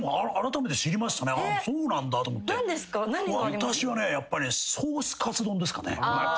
私はねやっぱりソースカツ丼ですかね。